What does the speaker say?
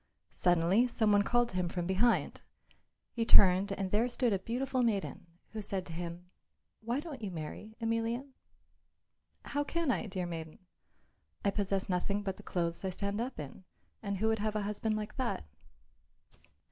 Suddenly some one called to him from behind. He turned, and there stood a beautiful maiden, who said to him, "Why don't you marry, Emelian?" "How can I, dear maiden? I possess nothing but the clothes I stand up in, and who would have a husband like that?"